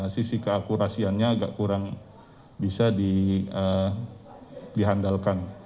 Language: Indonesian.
sisi keakurasiannya agak kurang bisa dihandalkan